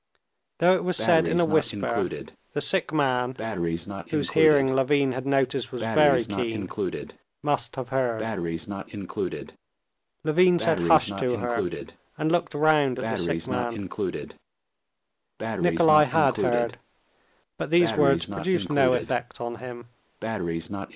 Though it was said in a whisper, the sick man, whose hearing Levin had noticed was very keen, must have heard. Levin said hush to her, and looked round at the sick man. Nikolay had heard; but these words produced no effect on him.